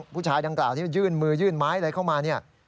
ผู้ชายดังกล่าวที่มันยื่นมือยื่นไม้ไล่เข้ามา